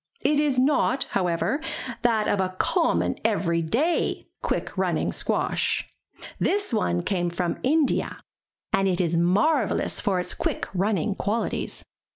It is not, however, that of the common, everyday quick running squash. This one came from India, and is mar 203 MY BOOK HOUSE vellous for its quick running qualities.